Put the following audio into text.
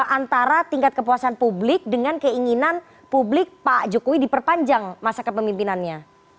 antara tingkat kepuasan publik dengan keinginan publik pak jokowi diperpanjang masa kepemimpinannya